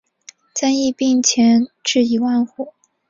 增邑并前至一万户。